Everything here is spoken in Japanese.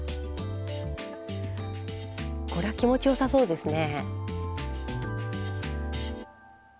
これは気持ちよさそうですね。